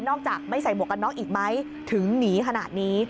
จากไม่ใส่หมวกกันน็อกอีกไหมถึงหนีขนาดนี้